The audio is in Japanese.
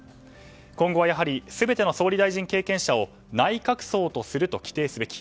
今後は、やはり全ての総理大臣経験者を内閣葬とすると規定すべき。